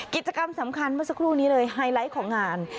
กิจกรรมสำคัญเมื่อสักครู่นี้เลยไฮไลท์ของงาน